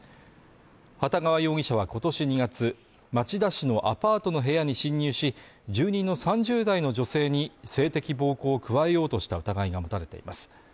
幟川容疑者は今年２月、町田市のアパートの部屋に侵入し、住人の３０代の女性に性的暴行を加えようとした疑いが持たれています。